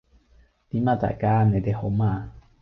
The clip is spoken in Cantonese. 點啊大家，你哋好嗎？